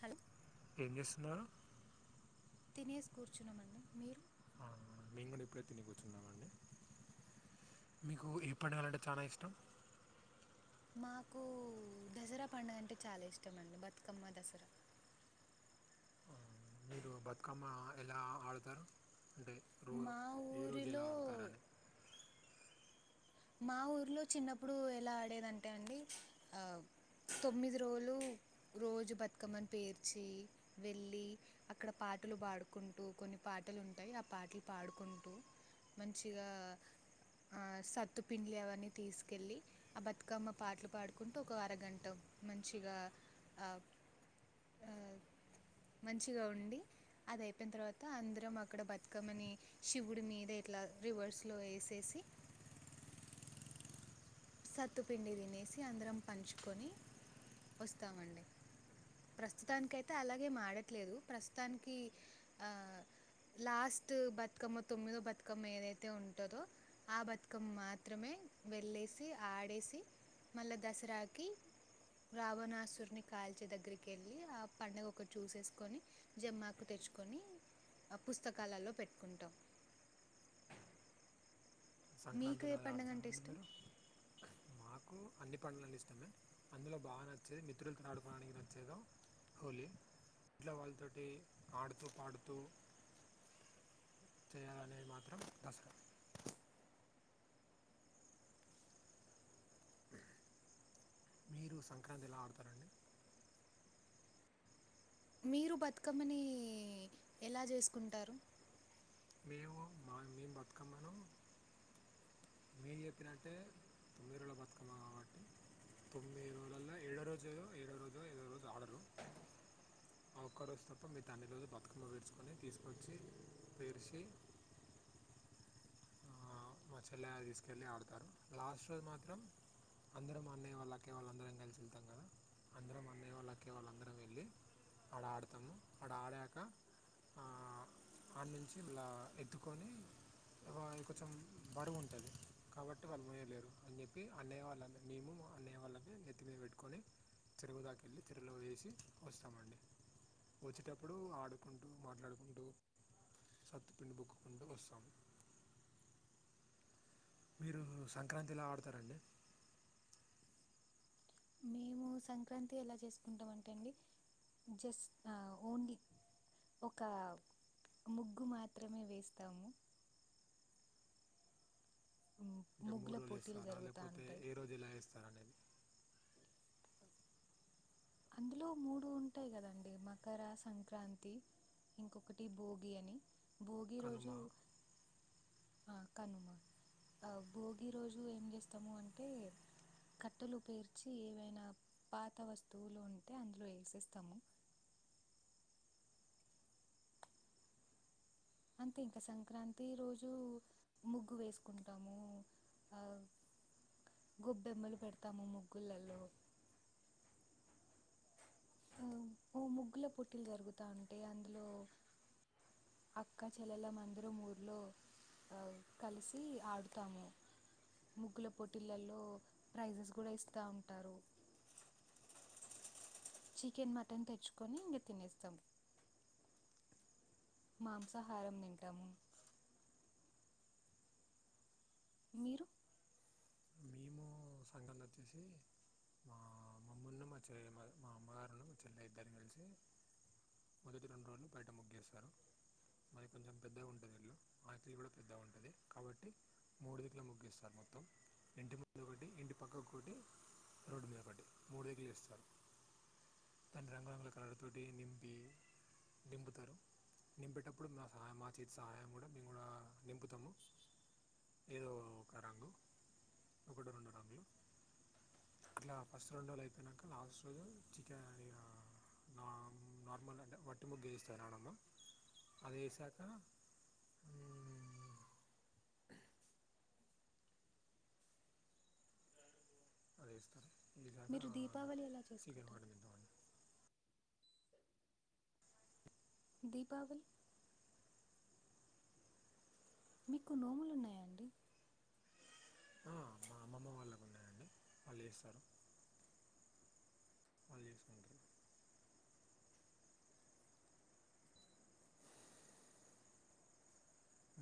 hello ఏం జేస్తున్నారు తినేస్ కూర్చున్నామండి మీరు ఆహ మేము గూడ ఇప్పుడె తిని కూర్చున్నామండి మీకు ఏ పండగాలంటే చాలా ఇష్టం మాకు దజరా పండగంటే చాలా ఇష్టం అండి బతుకమ్మ దసరా మీరు బతుకమ్మ ఎలా అ ఆడుతారు అంటే రో మా ఏ రోజ్ ఎలా ఊరిలో ఆడుతారని మా ఊర్లో చిన్నప్పుడు ఎలా ఆడేదంటే అండి అవ్ తొమ్మిది రోలు రోజు బతుకమ్మని పేర్చి వెళ్ళి అక్కడ పాటులు బాడుకుంటూ కొన్ని పాటల్ ఉంటయ్ ఆ పాటలు పాడుకుంటూ మంచిగా అ సత్తుపిండ్లి అవన్నీ తీసుకెళ్ళి అ బతుకమ్మ పాట్లు పాడుకుంటూ ఒక అరగంట మంచిగా అ ఆ మంచిగ ఉండి అదయిపోయిన తర్వాత అందరం అక్కడ బతుకమ్మని శివుడి మీద ఇట్లా రివర్స్లో ఏసేసి సత్తుపిండి తినేసి అందరం పంచుకొని ఒస్తామండి ప్రస్తుతానికయితే అలాగే మాడట్లేదు ప్రస్తుతానికి ఆ లాస్ట్ బతుకమ్మ తొమ్మిదో బతుకమ్మ ఏదైతే ఉంటదో ఆ బతుకమ్ మాత్రమే వెళ్ళేసి తి ఆడేసి మళ్ళ దసరాకి రావణాసురుని కాల్చే దగ్గరికి ఎళ్ళి ఆ పండగ ఒకటి చూసేసుకోని జమ్మాకు తెచ్చుకొని ఆ పుస్తకాలలో పెట్టుకుంటాం మీకు ఏ సంక్రాంతిలోలా పండగ అంటే ఆడుతారండి ఇష్టం మీరు మాకు అన్నీ పండ్లలు ఇష్టమే అందులో బాగా నచ్చేది మిత్రులతో ఆడుకోవడానికి నచ్చేదో హోలీ ట్లో వాళ్ళతోటి ఆడుతూ పాడుతూ చేయాలనేది మాత్రం దసరా మీరు సంక్రాంతి ఎలా ఆడుతారండి మీరు బతుకమ్మని ఎలా చేసుకుంటారు మేము మా మేం బతుకమ్మను మీరు చెప్పినట్టే తొమ్మిదిరోజుల బతుకమ్మ కాబట్టి తొమ్మిది రోజులల్ల ఏడో రోజేయో ఏడో రోజో ఏదో రోజు ఆడరు ఆ ఒక్క రోజు తప్ప మీతా అన్ని రోజులు బతుకమ్మ పేడ్చుకొని తీసుకొచ్చి పేర్చి తెల్లారి తీసుకెళ్ళి ఆడతారు లాస్ట్ రోజు మాత్రం అందరం అన్నయ్య వాళ్ళు అక్కయ్య వాళ్ళందరం కలిసి ఎళ్తాం కదా అందరం అన్నయ్య వాళ్ళు అక్కయ్య వాళ్ళు అందరం ఎళ్ళి ఆడ ఆడతాము ఆడ ఆడాక ఆ ఆడ నుంచి ఇలా ఎత్తుకొని ఓ ఈ కొంచెం బరువు ఉంటది కాబట్టి వాళ్ళు మొయ్యలేరు అని చెప్పి అన్నయ్య వాళ్ళందరూ మేము అన్నయ్య వాళ్ళమే నెత్తిమీద పెట్టు కొని చెరువుదాక ఎళ్ళి చెరువులో వేసి వస్తామండి వచ్చేటప్పుడు ఆడుకుంటూ మాట్లాడుకుంటూ సత్తుపిండి బుక్కుకుంటూ వస్తాం మీరు సంక్రాంతి ఎలా ఆడుతారండి మేము సంక్రాంతి ఎలా చేసుకుంటాం అంటే అండి జస్ ఆ ఓన్లీ ఒక ముగ్గు మాత్రమే వేస్తాము మ్, అంటే మూడు ముగ్గుల రోజులు పోటీలు ఏస్తారా జరుగుతూ లేకపోతే ఉంటాయి ఏ రోజు ఎలా వేస్తారనేది అందులో మూడు ఉంటాయి కదండి మకర సంక్రాంతి ఇంకొకటి భోగి అని భోగి కనుమ రోజు ఆ కనుమ ఆ భోగి రోజు ఏం చేస్తాము అంటే కట్టెలు పేర్చి ఏవైనా పాత వస్తువులు ఉంటే అందులో ఏసేస్తాము అంతే ఇంక సంక్రాంతి రోజు ముగ్గు వేసుకుంటాము ఔ గొబ్బెమ్మలు పెడతాము ముగ్గులల్లో ఆ, ఓ ముగ్గుల పోటీలు జరుగుతా ఉంటే అందులో అక్కచెల్లెలం అందరం ఊర్లో కలిసి ఆడుతాము ముగ్గుల పోటీలల్లో ప్రైసెస్ కూడా ఇస్తా ఉంటారు చికెన్ మటన్ తెచ్చుకొని ఇంగ తినేస్తాం మాంసాహారం తింటాము మీరు మేము ఉ సంగం ల వచ్చేసి మా అమ్మమ్మలను మా చె మా మా అమ్మగారును చెల్లె ఇద్దరిని కలిసి మొదటి రెండు రోజులు బయట ముగ్గేేస్తారు మాది కొంచెం పెద్దగా ఉంటది ఇల్లు వాకిలి కూడా పెద్దగా ఉంటది కాబట్టి మూడుదికుల ముగ్గిస్తారు మొత్తం ఒకటి ఇంటి పక్క ఒక్కొటి రోడ్డు మీద ఒకటి మూడు దగ్గర ఇస్తారు దాని రంగురంగుల కలరు తోటి నింపి నింపుతారు నింపేటప్పుడు మా సహాయం మా చేతి సహాయం కూడా మేము కూడా నింపుతాము ఏదో ఒక రంగు ఇట్లా ఫస్ట్ రెండు రోజులు అయిపోయినాక లాస్ట్ రోజు చికెన్ ఇలా నా నార్మల్ అంటే వట్టి ముగ్గ ఇస్తాన్నానమ్మ అదేసాక ఉ అది ఇస్తారు ఇజాగా మీరు దీపావళి ఎలా చికెన్ చేసుకుంటారు మటన్ ఇద్దామండి దీపావళి మీకు నోములు ఉన్నాయాండి ఆ మా అమ్మమ్మ వాళ్ళకు ఉన్నాయండి వాళ్ళు చేస్తారు వాళ్ళు చేసుకుంటారు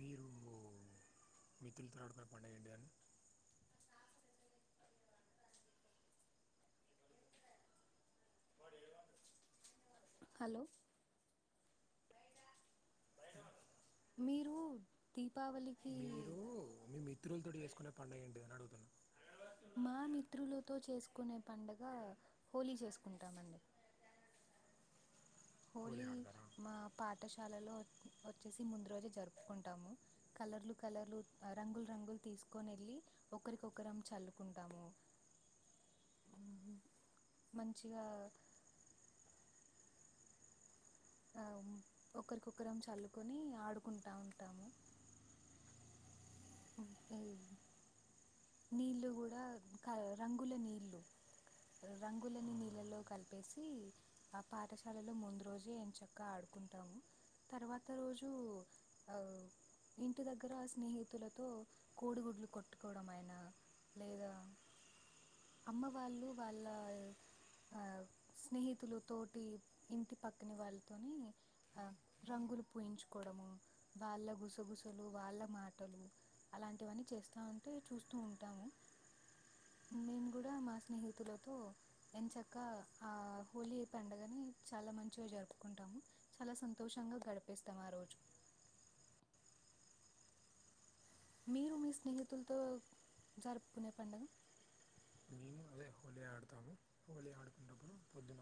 మీరు మిత్రులతో ఆడుకునే పండుగ ఏంటిదండి వాడు ఏమన్నడు హలో మీరు దీపావళికి [unintelligible] మీరు త్రులతోటి చేసుకునే పండుగ ఏంటి అని అడుగుతున్నా మా మిత్రులతో చేసుకునే పండుగ హోలీ చేసుకుంటామండి హోలీ మా పాఠశాలలో వచ్చేసి ముందు రోజే జరుపుకుంటాము కలర్లు కలర్లు రంగులు రంగులు తీసుకొని వెళ్ళి ఒకరికొకరం చల్లుకుంటాము మంచిగా ఆ ఒకరికొకరం చల్లుకొని ఆడుకుంటాము అ నీళ్ళు కూడా క రంగుల నీళ్ళు రంగులని నీళ్ళలో కలిపేసి ఆ పాఠశాలలో ముందు రోజే ఎం చక్క ఆడుకుంటాము తర్వాత రోజు ఆ ఇంటి దగ్గర స్నేహితులతో కోడిగుడ్లు కొట్టుకోవడం అయినా లేదా అమ్మ వాళ్ళు వాళ్ళ స్నేహితులతోటి ఇంటి పక్కన వాళ్ళతోని ఆ రంగులు పూయించుకోవడము వాళ్ళ గుసగుసలు వాళ్ళ మాటలు అలాంటివన్నీ చేస్తా ఉంటే చూస్తూ ఉంటాము మేము కూడా మా స్నేహితులతో ఎం చక్క ఆ హోలీ పండుగని చాలా మంచిగా జరుపుకుంటాము చాలా సంతోషంగా గడిపిస్తాం ఆ రోజు మీరు మీ స్నేహితులతో జరుపుకునే పండుగ మేము అదే హోలీ ఆడుతాము హోలీ ఆడుకున్నప్పుడు పొద్దున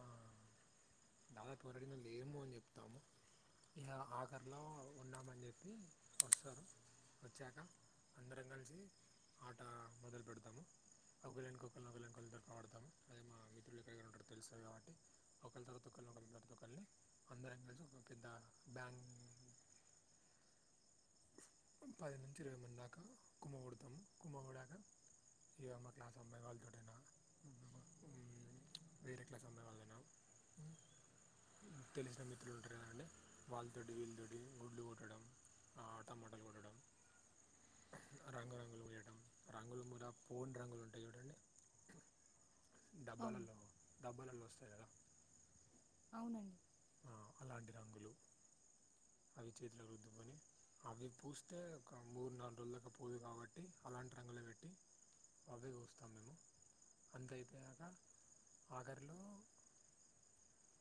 దాదాపురడిన లేము అని చెప్తాము ఇ ఆకర్లో ఉన్నామని చెప్పి వస్తారు వచ్చాక అందరం కలిసి ఆట మొదలు పెడతాము ఒకళ్ళెనుక ఒకళ్ళు ఒకళ్ళెనుక ఒకళ్ళు ఆడతాము అదే మా మిత్రులు ఎక్కడ ఉంటారు తెలుస్తాది కాబట్టి ఒకరి తరత ఒకళ్ళని ఒకళ్రిళ తరత కళ్ళని అందరం కలిసి ఒక పెద్ద బ్యాం పది నుంచి ఇరవై మంది దాకా కుమ్మగుడతాము కుమ్మగుడాక ఇగా మా క్లాస్ అమ్మాయి వల్తోటెన వేరే క్లాస్ అమ్మాయి వాళ్ళైన తెలిసిన మిత్రులు ఉంటారు కదండి వాళ్ళతోటి వీళ్ళతోటి గుడ్లు కొట్టడం ఆ, టమాటాలు కొట్టడం రంగు రంగులు వేయటం రంగు రంగుల పోన్ రంగులు ఉంటాయి చూడండి అవును డబ్బాలలో డబ్బలలో వస్తాయి కదా అవునండి అలాంటి రంగులు అవి చేతులో రుద్దుకొని అవి పూస్తే ఒక మూడు నాలుగు రోజుల దాకా పోదు కాబట్టి అలాంటి రంగులో పెట్టి అవే పూస్తాం మేము అంతైపెనక ఆగరిలో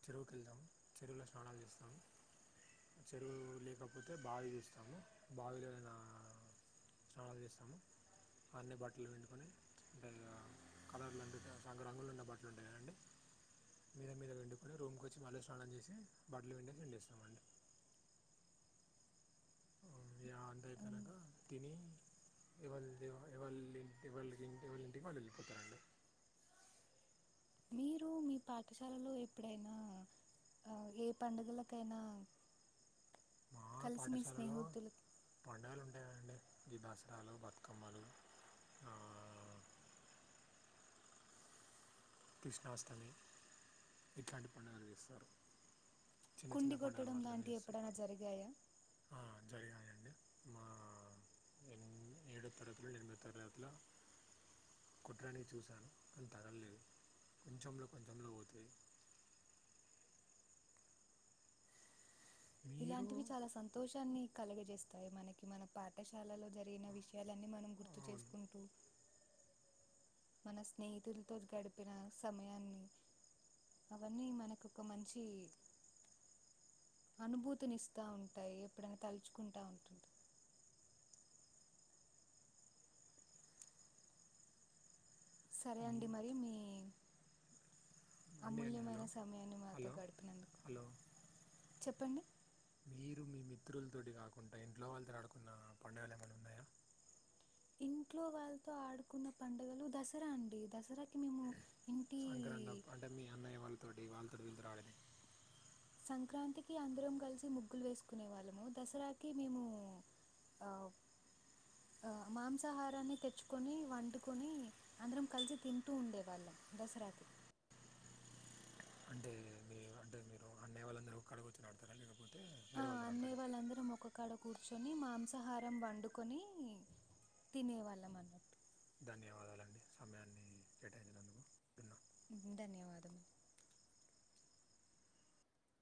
చెరువుకు వెళ్దాం చెరువుల స్నానాలు చేస్తాం చెరువు లేకపోతే బావి చూస్తాము బావిలో నా స్నానాలు చేస్తాము అన్నే బట్టలు పిండుకొని అంటే కలర్లుంటేంగ రంగు రంగులు ఉన్న బట్టలు ఉంటాయి కదండి మీద మీద పిండుకుని రూమ్కి వచ్చి మళ్ళీ స్నానం చేసి బట్టలు పిండేసి ఏండేస్తామండి అంతీగ అంత అయిపోయినంక తిని ఎవల్ ఎవాల్ ఇంటి వాళ్ళు ఇంటికి వాళ్ళు వెళ్ళిపోతారండి మీరు మీ పాఠశాలలో ఎప్పుడైనా ఏ పండుగలకైనా మా కలిసి మీ పాఠశాలలో స్నేహితులు పండుగలు ఉంటాయి అండి ఈ దాసరాలు బతుకమ్మలు కృష్ణాష్టమి ఇట్లాంటి పండుగలు చేస్తారు చిన్న చిన్న కుండి పండుగలు కొట్టడం మాత్రమే లాంటివి చేస్తారు ఎప్పుడైనా జరిగాయా ఆ జరిగినయండి మా మేము ఏడో తరగతిలో ఎనిమిదో తరగతిల కుట్టడానికి చూశాను కానీ తగల్ లేదు కొంచెంలో కొంచెంలో పోతది మీరు ఇలాంటివి చాలా సంతోషాన్ని కలగజేస్తాయి మనకి మన పాఠశాలలో జరిగిన విషయాలన్నీ మనం గుర్ గుర్తు అవును చేసుకుంటూ మన స్నేహితులతో గడిపిన సమయాన్ని అవన్నీ మనకు ఒక మంచి అనుభూతిని ఇస్తా ఉంటాయి ఎప్పుడైనా తలుచుకుంటా ఉంటుం సరే అండి మరి మీ అండి అండి హలో అమూల్యమైన సమయాన్ని మాతో హలో గడిపినందుకు హలో చెప్పండి మీరు మీ మిత్రులతోటి కాకుండా ఇంట్లో వాళ్ళతో ఆడుకున్న పండుగలు ఏమైనా ఉన్నాయా ఇంట్లో వాళ్ళతో ఆడుకున్న పండుగలు దసరా అండి దసరా సంక్రాంతి అప్ అంటే మీ అన్నయ్య వాళ్తోటి వాళ్ళతోటి విల్లతోటి అడినై సంక్రాంతికి అందరం కలిసి ముగ్గులు వేసుకునే వాళ్ళము దసరాకి మేము ఆ ఆ మాంసాహారాన్ని తెచ్చుకొని వండుకొని అందరం కలిసి తింటూ ఉండే వాళ్ళం దసరాకి అంటే మీ అంటే మీరు అన్నయ వాళ్ళందరు ఒక్కడ కూర్చొని ఆడతారా లేద [inaudible] ఆ అన్నీ వాళ్ళందరం ఒక అక్కడ కూర్చొని మాంసాహారం వండుకొని తినేవాళ్ళం అన్న ధన్యవాదాలండి సమయాన్ని కేటాయించినందుకు చున్నా [inaudible] ధన్యవాదము